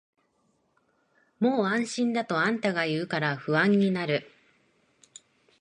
もう安心だとあんたが言うから不安になる